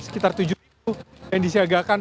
sekitar tujuh yang disiagakan